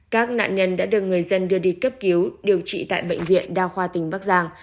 các nạn nhân đã được người dân đưa đi cấp cứu điều trị tại bệnh viện đa khoa tỉnh bắc giang